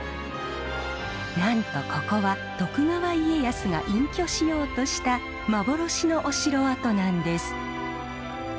なんとここは徳川家康が隠居しようとした幻のお城跡なんです。